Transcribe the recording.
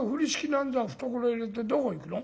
なんざ懐へ入れてどこ行くの？